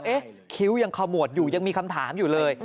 คิ้วยังขมวดอยู่ยังมีคำถามอยู่เลย